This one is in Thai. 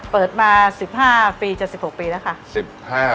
เปิดมา๑๕ปี๗๖ปีแล้วค่ะ